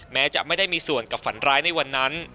แม้จะไม่ได้มีส่วนกับฝันร้ายในวันนั้น